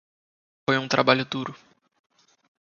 Foi um trabalho duro.